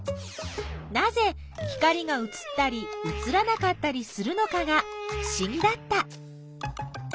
なぜ光がうつったりうつらなかったりするのかがふしぎだった。